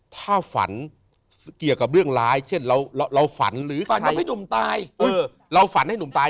ถ้าฝันเกี่ยวกับเรื่องร้ายเช่นเราฝันหรือฝันว่าพี่หนุ่มตายเราฝันให้หนุ่มตาย